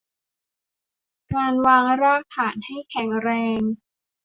การวางรากฐานให้แข็งแรง